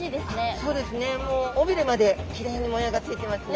そうですね尾びれまできれいに模様がついてますね。